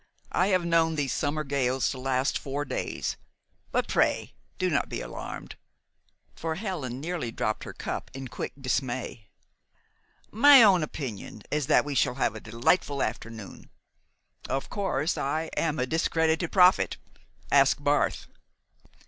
I have known these summer gales to last four days; but pray do not be alarmed," for Helen nearly dropped her cup in quick dismay; "my own opinion is that we shall have a delightful afternoon. Of course, I am a discredited prophet. Ask Barth."